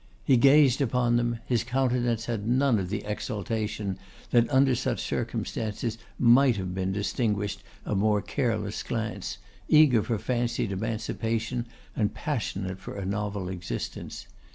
He gazed upon them; his countenance had none of the exultation, that under such circumstances might have distinguished a more careless glance, eager for fancied emancipation and passionate for a novel existence.